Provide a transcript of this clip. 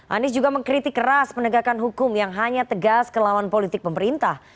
anies juga mengkritik keras penegakan hukum yang hanya tegas ke lawan politik pemerintah